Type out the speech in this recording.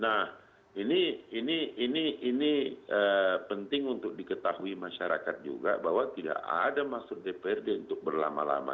nah ini penting untuk diketahui masyarakat juga bahwa tidak ada maksud dprd untuk berlama lama